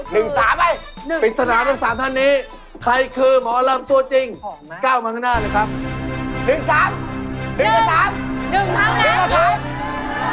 หนึ่งสามนะบริษนาทั้ง๓ท่านนี้ใครคือหมอลำตัวจริง๙มาก็นานเลยครับ